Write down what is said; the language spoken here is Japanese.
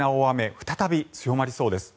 再び強まりそうです。